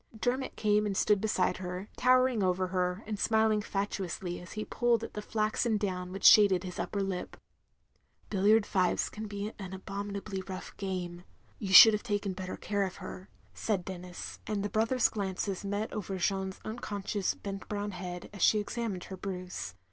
" Dermot came and stood beside her, towering over her, and smiling fatuously as he pulled at the flaxen down which shaded his upper lip. "Billiard fives can be an abominably rough game. You shotdd have taken better care of her," said Denis, and the brothers' glances met over Jeanne's unconscious bent brown head as she examined her bruise.